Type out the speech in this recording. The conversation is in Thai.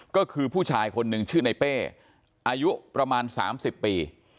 ก็คือผู้ชายคนหนึ่งชื่อในเป้อายุประมาณ๓๐ปี